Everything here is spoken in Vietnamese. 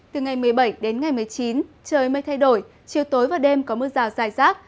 từ ngày một mươi bảy đến ngày một mươi chín trời mây thay đổi chiều tối và đêm có mưa rào dài rác